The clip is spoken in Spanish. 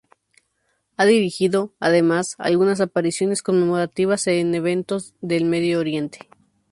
Ha dirigido, además, algunas apariciones conmemorativas en eventos en Medio Oriente.